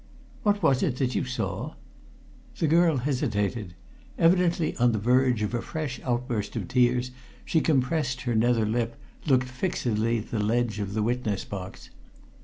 "What was it that you saw?" The girl hesitated. Evidently on the verge of a fresh outburst of tears, she compressed her nether lip, looking fixedly at the ledge of the witness box.